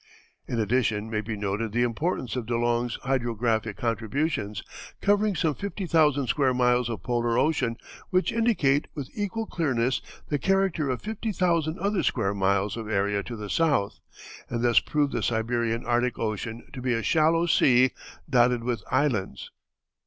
] In addition may be noted the importance of De Long's hydrographic contributions, covering some fifty thousand square miles of polar ocean, which indicate with equal clearness the character of fifty thousand other square miles of area to the south, and thus prove the Siberian Arctic Ocean to be a shallow sea, dotted with islands.